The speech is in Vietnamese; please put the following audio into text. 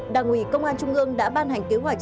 đảng ủy công an trung ương đã ban hành kế hoạch